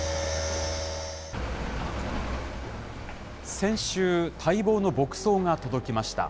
先週、待望の牧草が届きました。